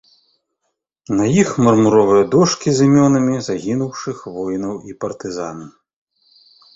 На іх мармуровыя дошкі з імёнамі загінуўшых воінаў і партызан.